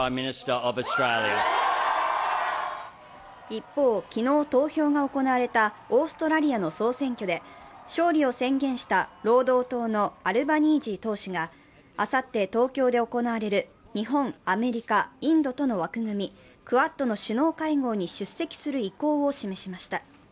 一方、昨日投票が行われたオーストラリアの総選挙で勝利を宣言した労働党のアルバニージー党首があさって東京で行われる日本、アメリカ、インドとの枠組み、クアッドの首脳会合に出席する意向を示しました。